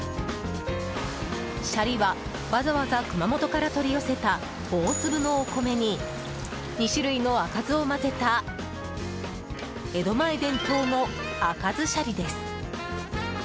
シャリは、わざわざ熊本から取り寄せた大粒のお米に２種類の赤酢を混ぜた江戸前伝統の赤酢シャリです。